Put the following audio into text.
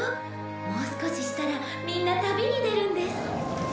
もう少ししたらみんな旅に出るんです。